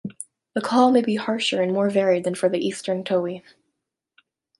The call may be harsher and more varied than for the eastern towhee.